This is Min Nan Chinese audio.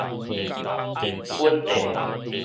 跟綴